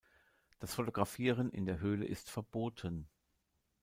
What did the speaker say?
Das Fotografieren in der Höhle ist verboten.